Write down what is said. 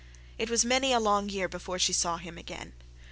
It was many a long year before she saw him again.